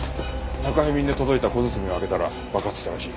宅配便で届いた小包を開けたら爆発したらしい。